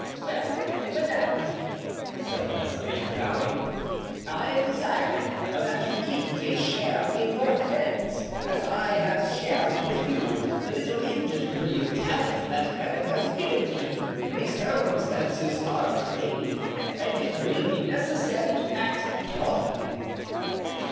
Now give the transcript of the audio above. "Well, madame," said Mazarin, bowing, "I desire that you give me a share in your friends, as I have shared with you the little industry and talent that Heaven has given me. The circumstances are grave and it will be necessary to act promptly."